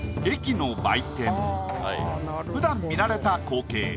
普段見慣れた光景。